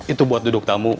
itu buat duduk tamu